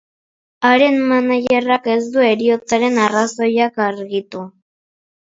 Haren managerrak ez du heriotzaren arrazoiak argitu.